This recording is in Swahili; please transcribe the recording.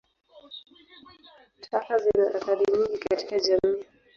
Taka zina athari nyingi katika jamii.